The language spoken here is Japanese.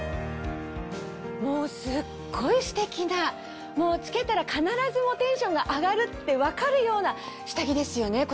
もうすっごいステキなもう着けたら必ずテンションが上がるって分かるような下着ですよねこちらね。